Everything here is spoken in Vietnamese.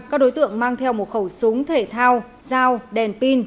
các đối tượng mang theo một khẩu súng thể thao dao đèn pin